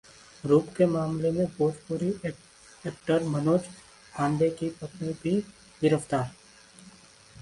rape के मामले में भोजपुरी एक्टर मनोज पांडे की पत्नी भी गिरफ्तार